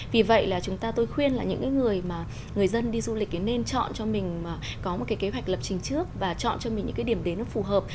vì vậy là chúng ta tôi khuyên là những người mà người dân đi du lịch thì nên chọn cho mình có một cái kế hoạch lập trình trước và chọn cho mình những cái điểm đến nó phù hợp